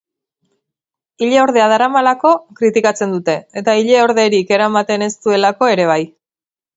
Ileordea daramalako kritikatzen dute, eta ileorderik eramaten ez duelako ere bai.